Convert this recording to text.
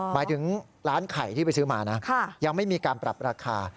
หมายถึงร้านไข่ที่ไปซื้อมานะยังไม่มีการปรับราคา